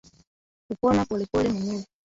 kupona polepole mwenyewe